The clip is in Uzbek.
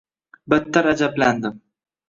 Battar ajablandim.